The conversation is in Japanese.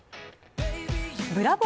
ブラボー！